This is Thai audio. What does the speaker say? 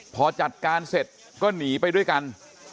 พอจัดการเสร็จก็หนีไปด้วยกัน